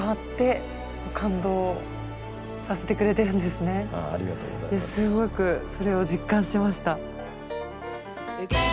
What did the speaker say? すごくそれを実感しました。